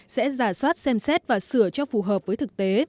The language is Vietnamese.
sẽ giả soát xem xét và sửa cho phù hợp với thực tế